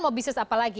kalau bisnis apa lagi